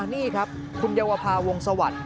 นี่ครับคุณเดวภาวงสวัสดิ์